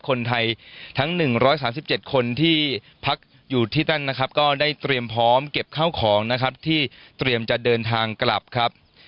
คนไทยทั้ง๑๓๗คนที่พักอยู่ที่นั่นนะครับก็ได้เตรียมพร้อมเก็บข้าวของนะครับที่เตรียมจะเดินทางกลับครับ